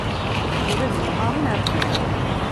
Ula d imɣaren rfan.